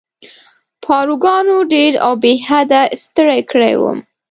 پاروګانو ډېر او بې حده ستړی کړی وم.